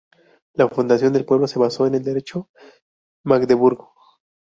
La fundación del pueblo se basó en el derecho de Magdeburgo.